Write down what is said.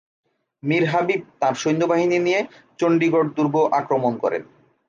মীর হাবিব তাঁর সৈন্যবাহিনী নিয়ে চণ্ডীগড় দুর্গ আক্রমণ করেন।